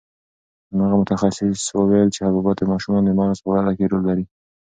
هغه متخصص وویل چې حبوبات د ماشومانو د مغز په وده کې رول لري.